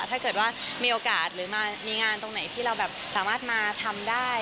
ถ้าเกิดว่ามีโอกาสหรือมามีงานตรงไหนที่เราแบบสามารถมาทำได้